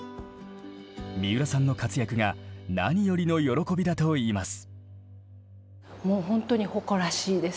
三浦さんの活躍が何よりの喜びだといいます。